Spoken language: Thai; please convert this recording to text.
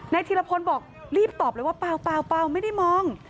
ธีรพลบอกรีบตอบเลยว่าเปล่าไม่ได้มอง